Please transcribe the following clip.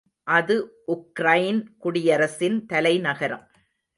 அது உக்ரைன் குடியரசின் தலைநகரம்.